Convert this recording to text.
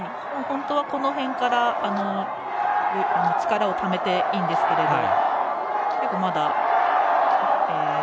本当は、この辺から力をためていいんですけれど。